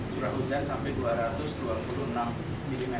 curah hujan sampai dua ratus dua puluh enam mm